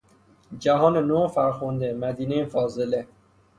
جهان نو و فرخنده، مدینهی فاضله